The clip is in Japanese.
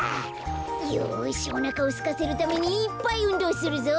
よしおなかをすかせるためにいっぱいうんどうするぞ。